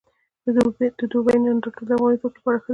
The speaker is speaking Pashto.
د دوبۍ نندارتون د افغاني توکو لپاره ښه دی